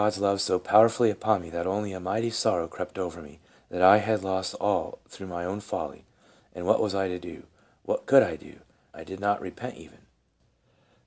327 it; I felt God's love so powerfully upon me that only a mighty sorrow crept over me that I had lost all through my own folly, and what was I to do 1 What could I do? I did not repent even.